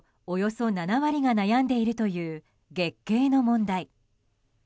およそ７割が悩んでいるという月経の問題。